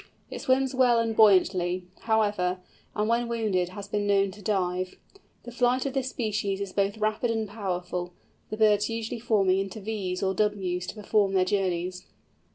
It swims well and buoyantly, however, and when wounded has been known to dive. The flight of this species is both rapid and powerful, the birds usually forming into Vs or Ws to perform their journeys.